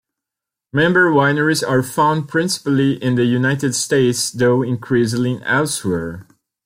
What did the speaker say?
Member wineries are found principally in the United States, though increasingly elsewhere.